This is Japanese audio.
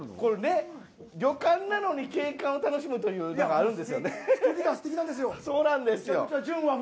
旅館なのに景観を楽しむというのがあるんですよね。